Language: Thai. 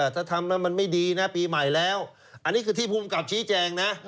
ถ้าทำแล้วมันไม่ดีนะปีใหม่แล้วอันนี้คือที่ภูมิกับชี้แจงนะ